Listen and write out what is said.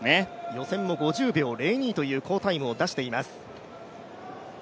予選も５０秒０２という好タイムを出しています。